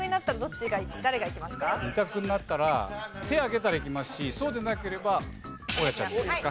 ２択になったら手挙げたらいきますしそうでなければ大家ちゃんでいいですか？